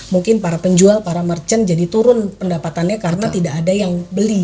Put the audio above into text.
mungkin para penjual para merchant jadi turun pendapatannya karena tidak ada yang beli